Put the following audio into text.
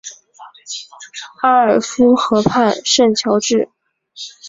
埃尔夫河畔圣乔治。